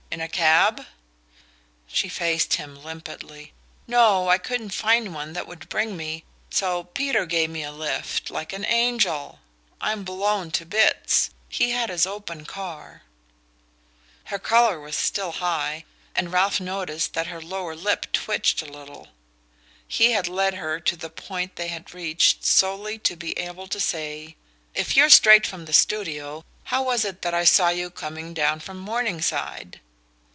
In a cab?" She faced him limpidly. "No; I couldn't find one that would bring me so Peter gave me a lift, like an angel. I'm blown to bits. He had his open car." Her colour was still high, and Ralph noticed that her lower lip twitched a little. He had led her to the point they had reached solely to be able to say: "If you're straight from the studio, how was it that I saw you coming down from Morningside?"